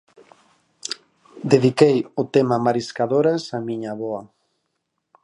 Dediquei o tema "Mariscadoras" á miña avoa.